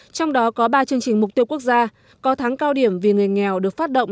trong đó có ba chương trình mục tiêu quốc gia có thắng cao điểm vì người nghèo được phát động